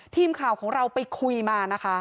ทีมข่าวของเราไปคุยมานะคะ